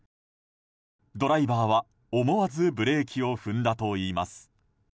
ドライバーは、思わずブレーキを踏んだといいます。